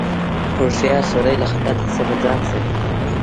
هوښیار سړی له خطر څخه ځان ساتي.